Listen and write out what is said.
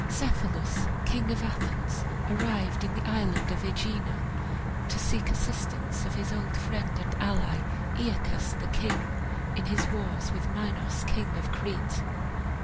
Cephalus, king of Athens, arrived in the island of Aegina to seek assistance of his old friend and ally Aeacus, the king, in his war with Minos, king of Crete.